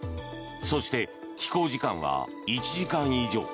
そして、飛行時間は１時間以上。